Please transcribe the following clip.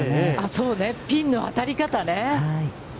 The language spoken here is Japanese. そうね、ピンの当たり方ね。